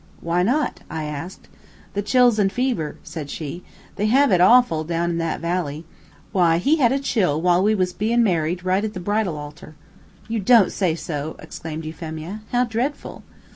"Why not?" I asked. "The chills and fever," said she. "They have it awful down in that valley. Why, he had a chill while we was bein' married, right at the bridal altar." "You don't say so!" exclaimed Euphemia. "How dreadful!"